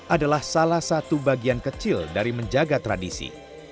adalah salah satu bagian kecil dari menjaga tradisi